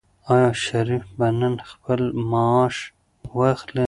آیا شریف به نن خپل معاش واخلي؟